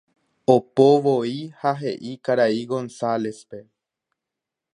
Opovoi ha he'i karai González-pe.